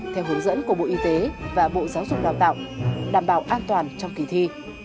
theo hướng dẫn của bộ y tế và bộ giáo dục đào tạo đảm bảo an toàn trong kỳ thi